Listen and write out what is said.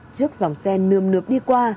trước dòng xe nươm nướp đi qua